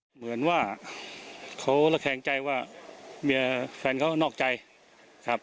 เหมือนว่าเขาระแขงใจว่าเมียแฟนเขานอกใจครับ